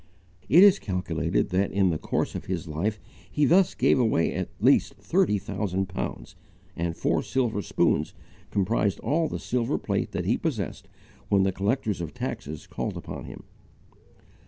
It is calculated that in the course of his life he thus gave away at least thirty thousand pounds, and four silver spoons comprised all the silver plate that he possessed when the collectors of taxes called upon him.